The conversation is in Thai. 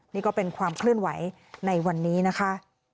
นี่ก็เป็นความเคลื่อนไหวในวันนี้นะคะ